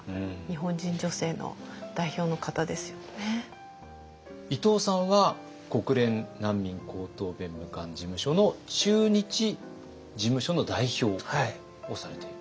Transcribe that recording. いやもう伊藤さんは国連難民高等弁務官事務所の駐日事務所の代表をされている。